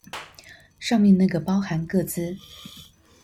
上面那個包含個資